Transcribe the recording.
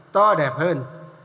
to đẹp hơn